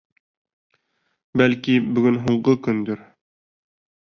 «Бәлки, бөгөн һуңғы көндөр!»